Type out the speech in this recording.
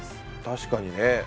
確かにね。